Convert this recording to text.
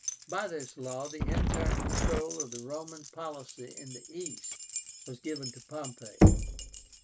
By this law the entire control of the Roman policy in the East was given to Pompey.